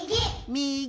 みぎ！